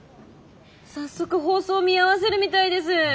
早速放送見合わせるみたいです。